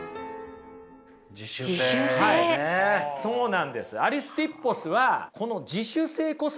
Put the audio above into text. そうなんです。